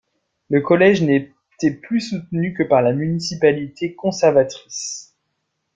Le collège n'était plus soutenu que par la municipalité conservatrice.